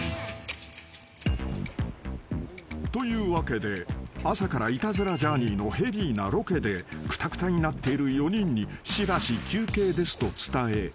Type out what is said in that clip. ［というわけで朝から『イタズラ×ジャーニー』のヘビーなロケでくたくたになっている４人にしばし休憩ですと伝え］